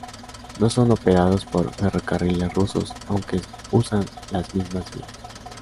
No son operados por Ferrocarriles Rusos, aunque usan las mismas vías.